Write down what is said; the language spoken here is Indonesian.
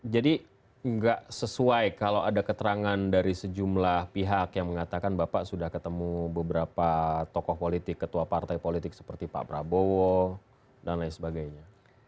jadi tidak sesuai kalau ada keterangan dari sejumlah pihak yang mengatakan bapak sudah ketemu beberapa tokoh politik ketua partai politik seperti pak prabowo dan lain sebagainya